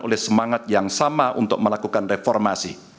oleh semangat yang sama untuk melakukan reformasi